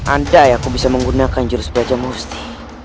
andai aku bisa menggunakan jurus belajar musti